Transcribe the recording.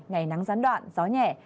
ngày nắng gián đoạn gió nhẹ